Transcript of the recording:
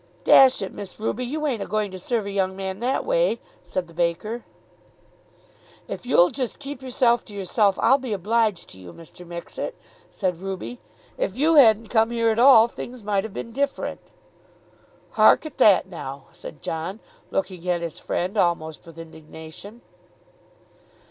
"Dash it, Miss Ruby, you ain't a going to serve a young man that way," said the baker. "If you'll jist keep yourself to yourself, I'll be obliged to you, Mr. Mixet," said Ruby. "If you hadn't come here at all things might have been different." "Hark at that now," said John, looking at his friend almost with indignation.